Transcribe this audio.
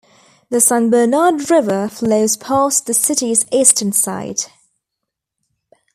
The San Bernard River flows past the city's eastern side.